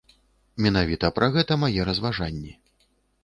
Менавіта пра гэта мае разважанні.